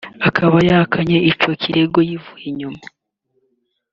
akaba yahakanye ico kirego yivuye inyuma